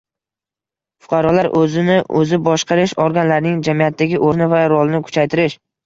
Fuqarolar o‘zini o‘zi boshqarish organlarining jamiyatdagi o‘rni va rolini kuchaytirish